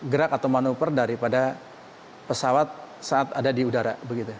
gerak atau manuver daripada pesawat saat ada di udara